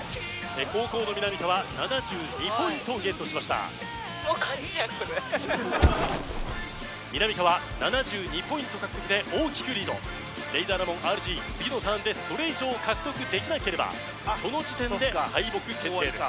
後攻のみなみかわ７２ポイントゲットしましたみなみかわ７２ポイント獲得で大きくリードレイザーラモンＲＧ次のターンでそれ以上獲得できなければその時点で敗北決定です